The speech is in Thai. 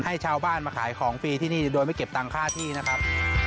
ให้ชาวบ้านมาขายของฟรีที่นี่โดยไม่เก็บตังค่าที่นะครับ